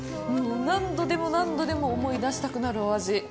何度でも何度でも思い出したくなるお味。